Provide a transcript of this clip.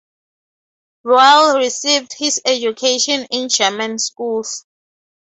Roehl received his education in German schools.